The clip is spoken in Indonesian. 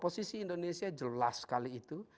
posisi indonesia jelas sekali itu